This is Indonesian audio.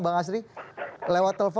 bang astri lewat telepon